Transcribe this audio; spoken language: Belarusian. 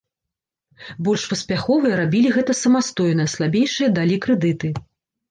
Больш паспяховыя рабілі гэта самастойна, слабейшыя далі крэдыты.